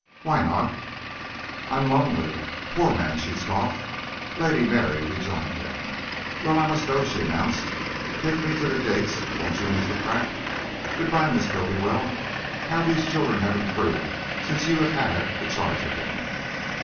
"Why not?" "I'm lonely." "Poor man!" she scoffed. Lady Mary rejoined them. "Well, I must go," she announced. "Take me to the gates, won't you, Mr. Pratt? Good by, Miss Bultiwell. How these children have improved since you had the charge of them."